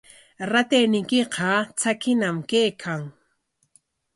Ratayniykiqa tsakiñam kaykan.